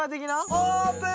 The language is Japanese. オープン！